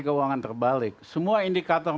keuangan terbalik semua indikator